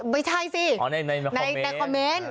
ไม่ใช่สิในคอมเมนต์